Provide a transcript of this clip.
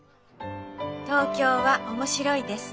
「東京は面白いです。